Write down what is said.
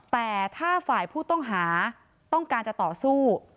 แต่ถ้าฝ่ายผู้ต้องหาต้องการจะต่อสู้